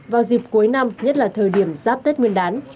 vào dịp cuối năm nhất là thời điểm giáp tết nguyên đán